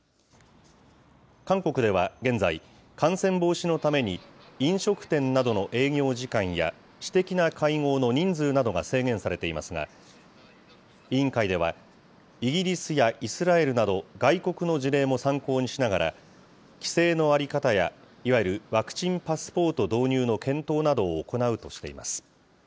韓国では現在、感染防止のために飲食店などの営業時間や私的な会合の人数などが制限されていますが、委員会では、イギリスやイスラエルなど外国の事例も参考にしながら、規制の在り方やいわゆるワクチンパスポート導入の検討などを行うとしています。